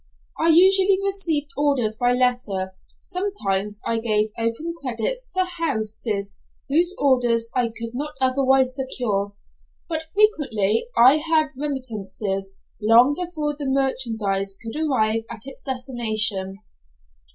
I usually received orders by letter, sometimes I gave open credits to houses whose orders I could not otherwise secure, but frequently I had remittances long before the merchandise could arrive at its destination.